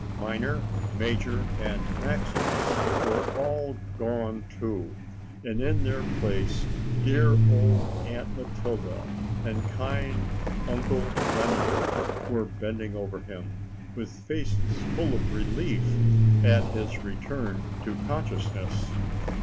Minor, Major, and Maximus were all gone too, and in their place dear old Aunt Matilda and kind Uncle Lemuel were bending over him, with faces full of relief at his return to consciousness.